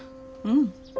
うん。